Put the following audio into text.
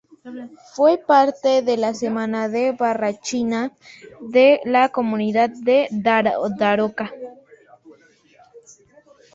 Fue parte de la Sesma de Barrachina de la Comunidad de Daroca.